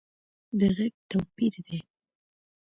د غږ توپیر دی